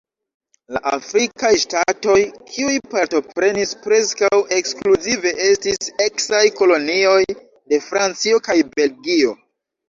La afrikaj ŝtatoj, kiuj partoprenis, preskaŭ ekskluzive estis eksaj kolonioj de Francio kaj Belgio.